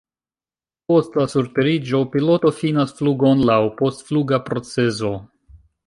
Post la surteriĝo, piloto finas flugon laŭ post-fluga procezo.